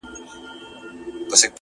وربــاندي نــه وركوم ځــان مــلــگــرو،